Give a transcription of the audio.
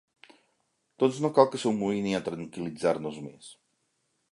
Doncs no cal que s'amoïni a tranquil·litzar-nos més.